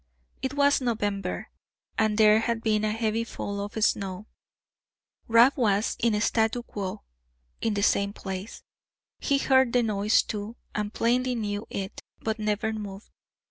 It was November, and there had been a heavy fall of snow. Rab was in statu quo (in the same place); he heard the noise, too, and plainly knew it, but never moved.